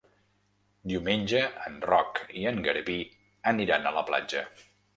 Diumenge en Roc i en Garbí aniran a la platja.